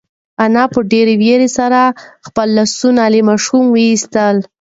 انا په ډېرې وېرې سره خپل لاسونه له ماشومه وایستل.